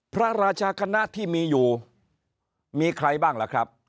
พระราชาคณะที่มีอยู่มีใครบ้างล่ะครับ